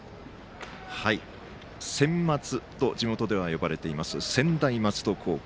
専松と地元では呼ばれています、専大松戸高校。